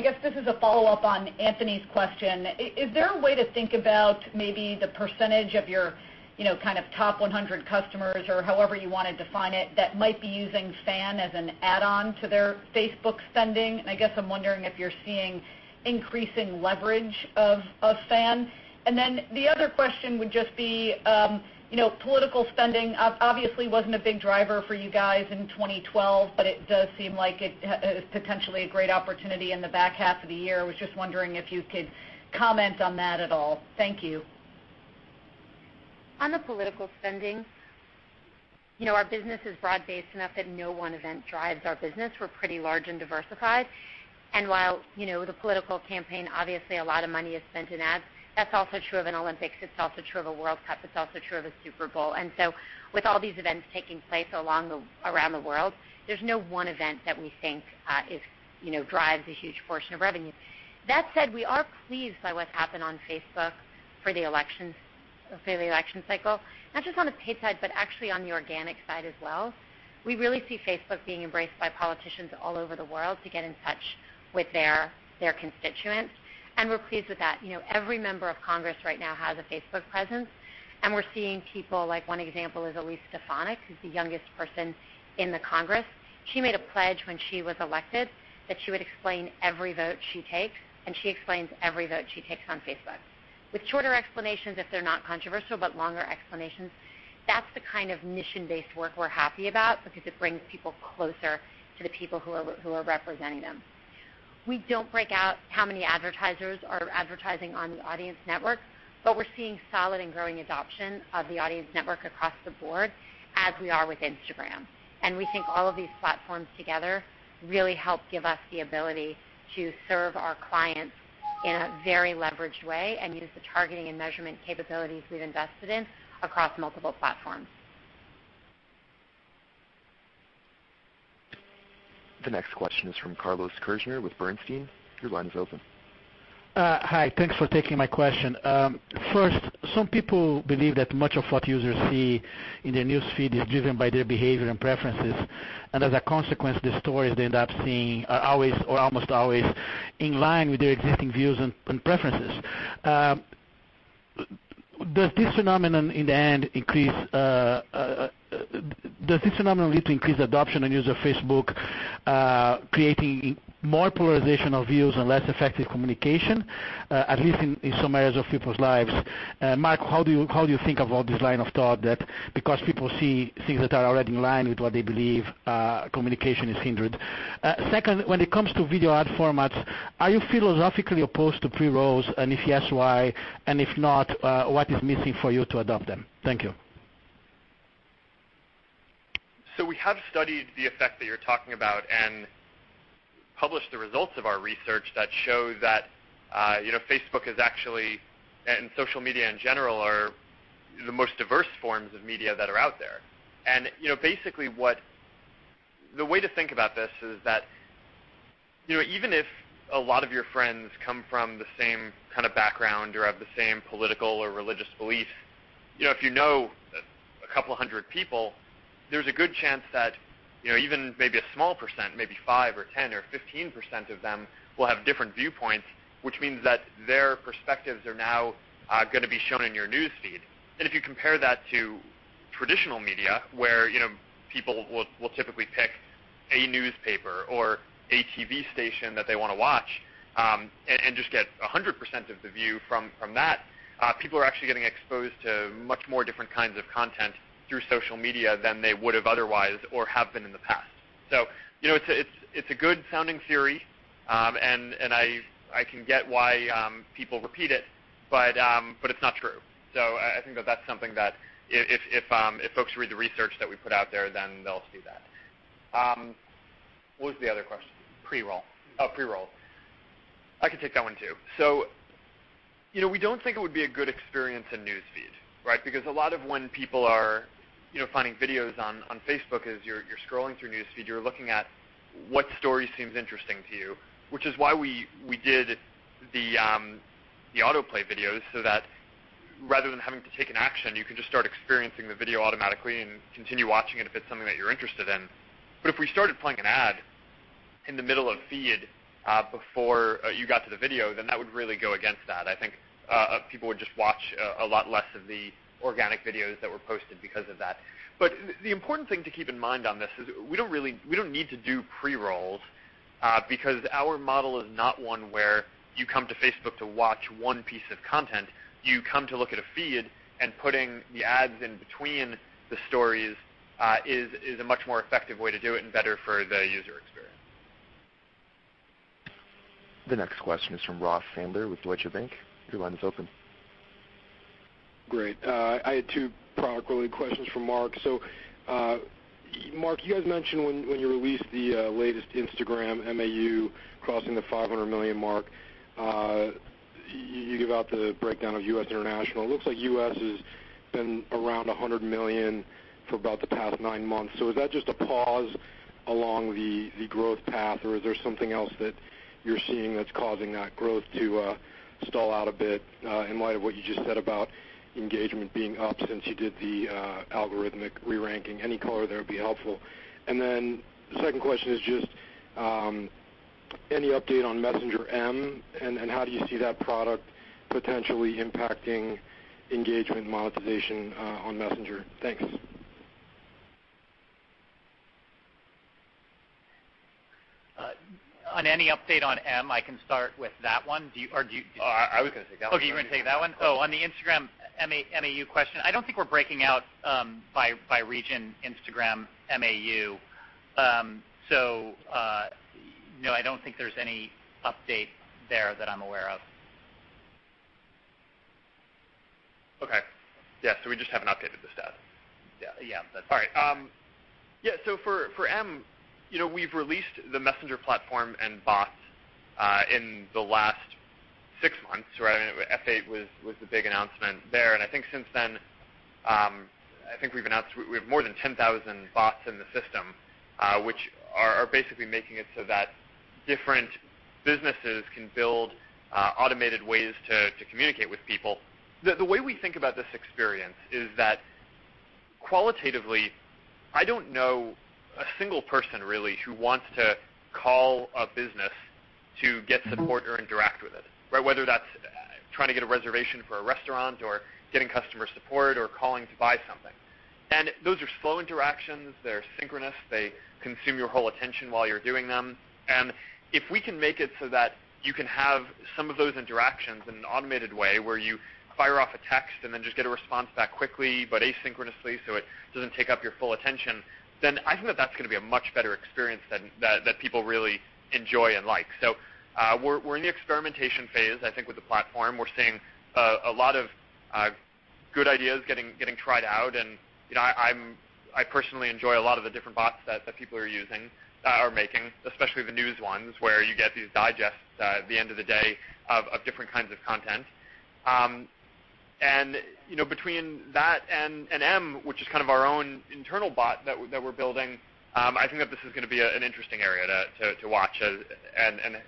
guess this is a follow-up on Anthony's question. Is there a way to think about maybe the percentage of your, you know, kind of top 100 customers or however you wanna define it, that might be using FAN as an add-on to their Facebook spending? I guess I'm wondering if you're seeing increasing leverage of FAN. The other question would just be, you know, political spending obviously wasn't a big driver for you guys in 2012, but it does seem like it is potentially a great opportunity in the back half of the year. I was just wondering if you could comment on that at all. Thank you. On the political spending. You know, our business is broad-based enough that no one event drives our business. We're pretty large and diversified. While, you know, the political campaign, obviously, a lot of money is spent in ads, that's also true of an Olympics, it's also true of a World Cup, it's also true of a Super Bowl. With all these events taking place around the world, there's no one event that we think is, you know, drives a huge portion of revenue. That said, we are pleased by what's happened on Facebook for the elections, for the election cycle, not just on the paid side, but actually on the organic side as well. We really see Facebook being embraced by politicians all over the world to get in touch with their constituents, we're pleased with that. You know, every member of Congress right now has a Facebook presence. We're seeing people, like one example is Elise Stefanik, who's the youngest person in the Congress. She made a pledge when she was elected that she would explain every vote she takes. She explains every vote she takes on Facebook. With shorter explanations if they're not controversial, longer explanations. That's the kind of mission-based work we're happy about because it brings people closer to the people who are representing them. We don't break out how many advertisers are advertising on the Audience Network. We're seeing solid and growing adoption of the Audience Network across the board as we are with Instagram. We think all of these platforms together really help give us the ability to serve our clients in a very leveraged way and use the targeting and measurement capabilities we've invested in across multiple platforms. The next question is from Carlos Kirjner with Bernstein. Your line is open. Hi. Thanks for taking my question. First, some people believe that much of what users see in their News Feed is driven by their behavior and preferences, and as a consequence, the stories they end up seeing are always or almost always in line with their existing views and preferences. Does this phenomenon in the end lead to increased adoption and use of Facebook, creating more polarization of views and less effective communication, at least in some areas of people's lives? Mark, how do you think about this line of thought that because people see things that are already in line with what they believe, communication is hindered? Second, when it comes to video ad formats, are you philosophically opposed to pre-rolls? If yes, why? If not, what is missing for you to adopt them? Thank you. We have studied the effect that you're talking about and published the results of our research that show that, you know, Facebook is actually, and social media in general, are the most diverse forms of media that are out there. You know, the way to think about this is that, you know, even if a lot of your friends come from the same kind of background or have the same political or religious belief, you know, if you know a couple hundred people, there's a good chance that, you know, even maybe a small percent, maybe 5% or 10% or 15% of them will have different viewpoints, which means that their perspectives are now, gonna be shown in your News Feed. If you compare that to traditional media, where, you know, people will typically pick a newspaper or a TV station that they wanna watch, and just get 100% of the view from that, people are actually getting exposed to much more different kinds of content through social media than they would have otherwise or have been in the past. You know, it's a good sounding theory, and I can get why people repeat it, but it's not true. I think that that's something that if folks read the research that we put out there, then they'll see that. What was the other question? Pre-roll. Pre-roll. I can take that one too. We don't think it would be a good experience in News Feed, right? Because a lot of when people are, you know, finding videos on Facebook is you're scrolling through News Feed, you're looking at what story seems interesting to you, which is why we did the autoplay videos so that rather than having to take an action, you can just start experiencing the video automatically and continue watching it if it's something that you're interested in. If we started playing an ad in the middle of feed, before you got to the video, that would really go against that. I think people would just watch a lot less of the organic videos that were posted because of that. The important thing to keep in mind on this is we don't need to do pre-rolls because our model is not one where you come to Facebook to watch one piece of content. You come to look at a feed, and putting the ads in between the stories is a much more effective way to do it and better for the user experience. The next question is from Ross Sandler with Deutsche Bank. Your line is open. Great. I had two product-related questions for Mark. Mark, you guys mentioned when you released the latest Instagram MAU crossing the 500 million mark, you give out the breakdown of U.S. international. It looks like U.S. has been around 100 million for about the past nine months. Is that just a pause along the growth path, or is there something else that you're seeing that's causing that growth to stall out a bit in light of what you just said about engagement being up since you did the algorithmic re-ranking? Any color there would be helpful. Second question is just any update on Messenger M? How do you see that product potentially impacting engagement monetization on Messenger? Thanks. On any update on M, I can start with that one. Do you? Oh, I was gonna take that one. Okay, you were gonna take that one. Yeah. Oh, on the Instagram MAU question, I don't think we're breaking out by region Instagram MAU. No, I don't think there's any update there that I'm aware of. Okay. Yeah, we just haven't updated the stats. Yeah. Yeah. All right. For M, you know, we've released the Messenger platform and bots in the last six months, right? I mean, F8 was the big announcement there. I think since then, I think we've announced we have more than 10,000 bots in the system, which are basically making it so that different businesses can build automated ways to communicate with people. The way we think about this experience is that qualitatively, I don't know a single person really who wants to call a business to get support or interact with it, right? Whether that's trying to get a reservation for a restaurant or getting customer support or calling to buy something. Those are slow interactions. They're synchronous. They consume your whole attention while you're doing them. If we can make it so that you can have some of those interactions in an automated way where you fire off a text and then just get a response back quickly, but asynchronously so it doesn't take up your full attention, I think that that's gonna be a much better experience than that people really enjoy and like. We're in the experimentation phase, I think, with the platform. We're seeing a lot of good ideas getting tried out, and, you know, I personally enjoy a lot of the different bots that people are using, are making, especially the news ones where you get these digests at the end of the day of different kinds of content. You know, between that and M, which is kind of our own internal bot that we're building, I think that this is gonna be an interesting area to watch as and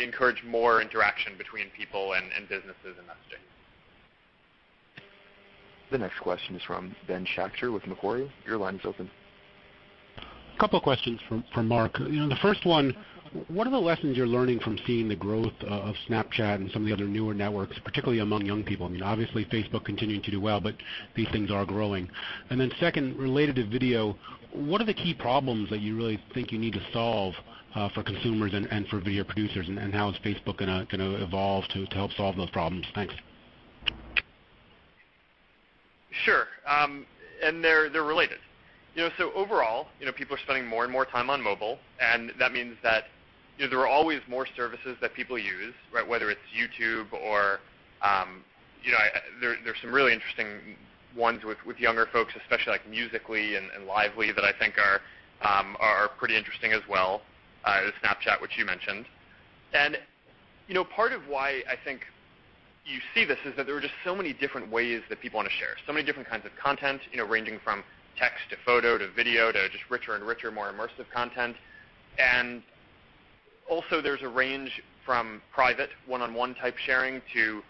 encourage more interaction between people and businesses in that space. The next question is from Ben Schachter with Macquarie. Your line is open. Couple questions from Mark. You know, the first one, what are the lessons you're learning from seeing the growth of Snapchat and some of the other newer networks, particularly among young people? I mean, obviously Facebook continuing to do well, these things are growing. Second, related to video, what are the key problems that you really think you need to solve for consumers and for video producers? And how is Facebook gonna evolve to help solve those problems? Thanks. Sure. They're, they're related. You know, overall, you know, people are spending more and more time on mobile, and that means that, you know, there are always more services that people use, right? Whether it's YouTube or, you know, there's some really interesting ones with younger folks, especially like Musical.ly and Live.ly that I think are pretty interesting as well. Snapchat, which you mentioned. You know, part of why I think you see this is that there are just so many different ways that people want to share, so many different kinds of content, you know, ranging from text to photo to video to just richer and richer, more immersive content. Also there's a range from private one-on-one type sharing to,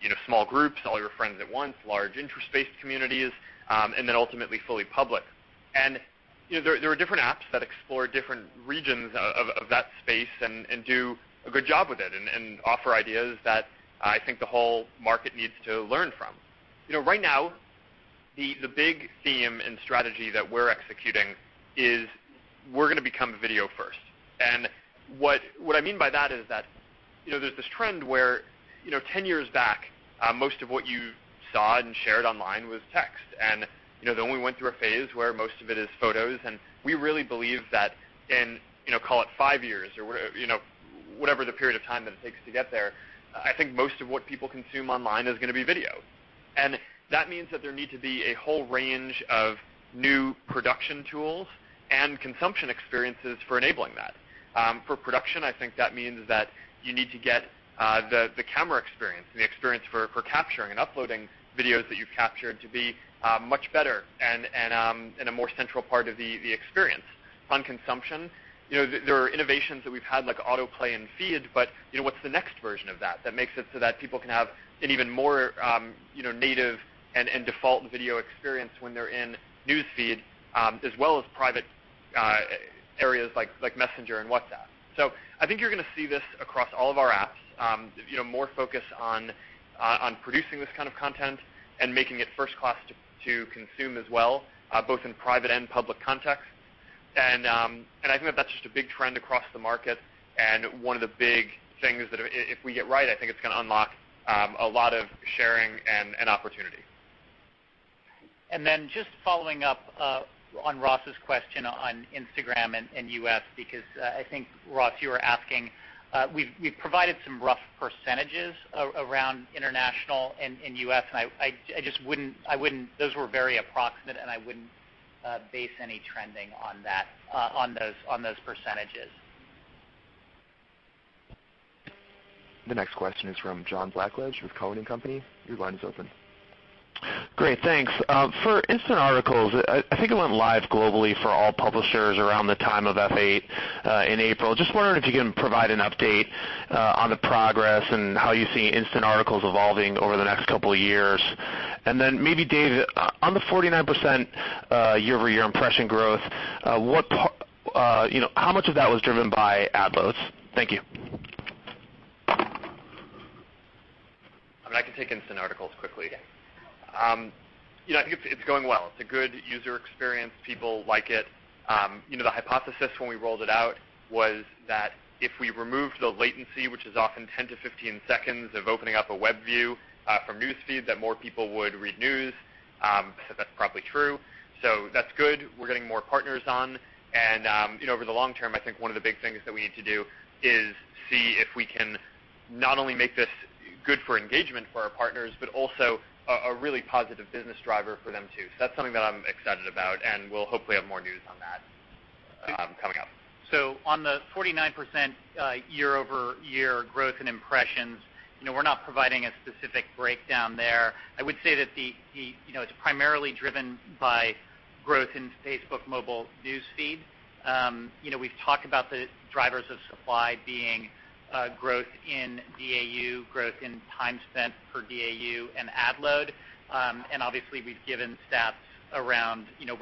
you know, small groups, all your friends at once, large interest-based communities, and then ultimately fully public. You know, there are different apps that explore different regions of that space and do a good job with it and offer ideas that I think the whole market needs to learn from. You know, right now the big theme and strategy that we're executing is we're gonna become video first. What I mean by that is that, you know, there's this trend where, you know, 10 years back, most of what you saw and shared online was text. You know, then we went through a phase where most of it is photos, and we really believe that in, you know, call it five years or you know, whatever the period of time that it takes to get there, I think most of what people consume online is gonna be video. That means that there need to be a whole range of new production tools and consumption experiences for enabling that. For production, I think that means that you need to get the camera experience and the experience for capturing and uploading videos that you've captured to be much better and in a more central part of the experience. On consumption, you know, there are innovations that we've had like autoplay and feed, but, you know, what's the next version of that that makes it so that people can have an even more, you know, native and default video experience when they're in News Feed, as well as private, areas like Messenger and WhatsApp. I think you're gonna see this across all of our apps, you know, more focus on producing this kind of content and making it first class to consume as well, both in private and public context. I think that that's just a big trend across the market and one of the big things that if we get right, I think it's gonna unlock a lot of sharing and opportunity. Just following up on Ross's question on Instagram and U.S. because, I think, Ross, you were asking, we've provided some rough percentages around international and U.S. Those were very approximate, and I wouldn't base any trending on that on those percentages. The next question is from John Blackledge with Cowen and Company. Your line is open. Great. Thanks. For Instant Articles, I think it went live globally for all publishers around the time of F8 in April. Just wondering if you can provide an update on the progress and how you see Instant Articles evolving over the next couple of years. Then maybe Dave, on the 49% year-over-year impression growth, what part, you know, how much of that was driven by ad loads? Thank you. I mean, I can take Instant Articles quickly. Yeah. You know, I think it's going well. It's a good user experience. People like it. You know, the hypothesis when we rolled it out was that if we removed the latency, which is often 10-15 seconds of opening up a web view, from News Feed, that more people would read news. I think that's probably true. That's good. We're getting more partners on. You know, over the long term, I think one of the big things that we need to do is see if we can not only make this good for engagement for our partners, but also a really positive business driver for them too. That's something that I'm excited about, and we'll hopefully have more news on that coming up. On the 49% year-over-year growth in impressions, you know, we're not providing a specific breakdown there. I would say that, you know, it's primarily driven by growth in Facebook mobile News Feed. You know, we've talked about the drivers of supply being growth in DAU, growth in time spent per DAU and ad load. And obviously, we've given stats around, you know,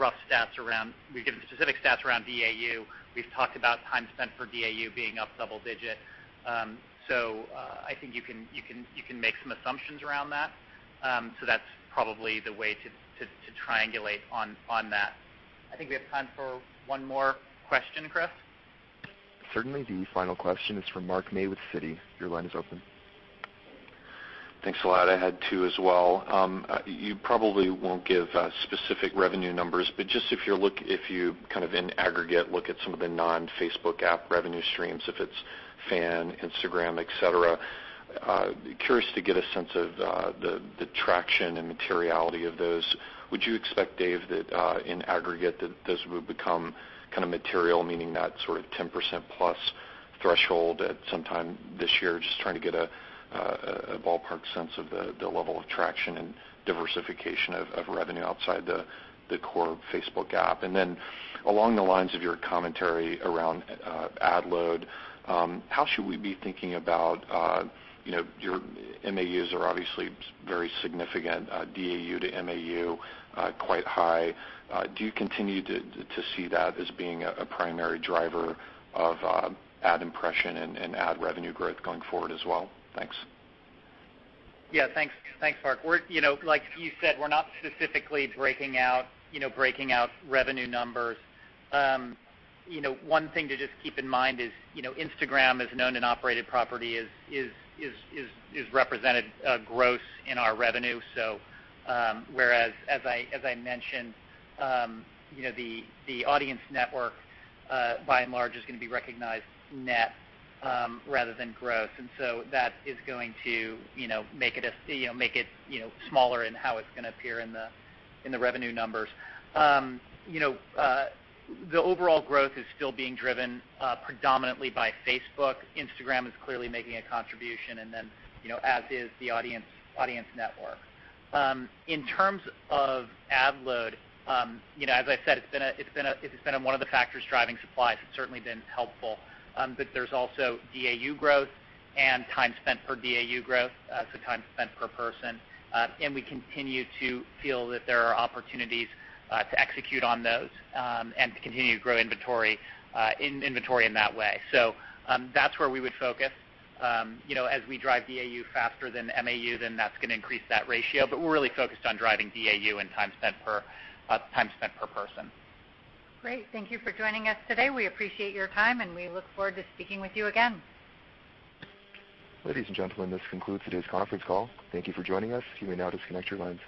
we've given specific stats around DAU. We've talked about time spent per DAU being up double-digit. I think you can make some assumptions around that. That's probably the way to triangulate on that. I think we have time for one more question, Chris. Certainly. The final question is from Mark May with Citi. Your line is open. Thanks a lot. I had two as well. You probably won't give specific revenue numbers, but just if you kind of in aggregate look at some of the non-Facebook app revenue streams, if it's FAN, Instagram, et cetera, curious to get a sense of the traction and materiality of those. Would you expect, Dave, that in aggregate that those would become kind of material, meaning that sort of 10% plus threshold at some time this year? Just trying to get a ballpark sense of the level of traction and diversification of revenue outside the core Facebook app. Along the lines of your commentary around ad load, how should we be thinking about, you know, your MAUs are obviously very significant, DAU to MAU, quite high. Do you continue to see that as being a primary driver of ad impression and ad revenue growth going forward as well? Thanks. Yeah, thanks. Thanks, Mark. We're, like you said, we're not specifically breaking out revenue numbers. One thing to just keep in mind is, you know, Instagram as an owned and operated property is represented gross in our revenue. Whereas as I mentioned, the Audience Network by and large is gonna be recognized net rather than gross. That is going to make it smaller in how it's gonna appear in the revenue numbers. The overall growth is still being driven predominantly by Facebook. Instagram is clearly making a contribution as is the Audience Network. In terms of ad load, you know, as I said, it's been one of the factors driving supply. It's certainly been helpful. There's also DAU growth and time spent per DAU growth, so time spent per person. We continue to feel that there are opportunities to execute on those and to continue to grow inventory in that way. That's where we would focus. You know, as we drive DAU faster than MAU, then that's gonna increase that ratio. We're really focused on driving DAU and time spent per person. Great. Thank you for joining us today. We appreciate your time, and we look forward to speaking with you again. Ladies and gentlemen, this concludes today's conference call. Thank you for joining us. You may now disconnect your lines.